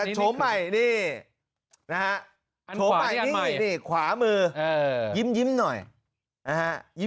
แต่โฉมใหม่นี่โฉมใหม่นี่ขวามือยิ้มหน่อย